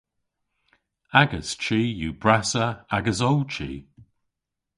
Agas chi yw brassa ages ow chi.